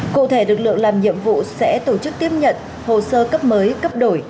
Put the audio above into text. cụ thể lực lượng làm nhiệm vụ sẽ tổ chức tiếp nhận hồ sơ cấp mới cấp đổi